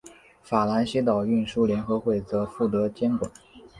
法兰西岛运输联合会则负责监管。